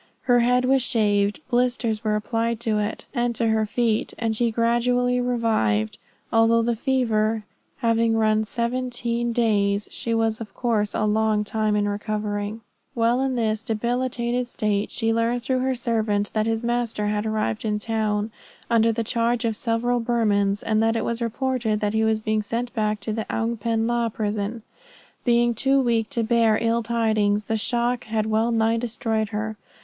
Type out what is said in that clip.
Her head was shaved, blisters were applied to it and to her feet, and she gradually revived; although the fever having run seventeen days, she was of course a long time in recovering. While in this debilitated state, she learned through her servant that his master had arrived in town, under the charge of several Burmans, and that it was reported that he was to be sent back to the Oung pen la prison. Being too weak to bear ill tidings, the shock had well nigh destroyed her.